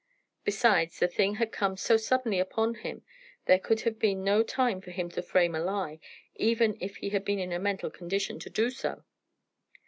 Besides, the thing had come so suddenly upon him there could have been no time for him to frame a lie, even if he had been in a mental condition to do so.